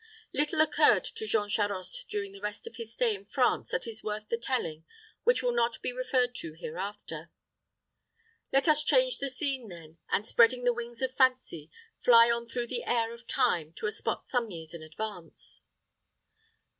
Little occurred to Jean Charost during the rest of his stay in France that is worth the telling which will not be referred to hereafter. Let us change the scene then, and, spreading the wings of Fancy, fly on through the air of Time to a spot some years in advance.